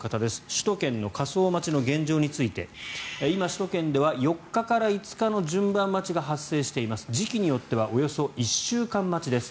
首都圏の火葬待ちの現状について今、首都圏では４日から５日の順番待ちが発生しています時期によってはおよそ１週間待ちです。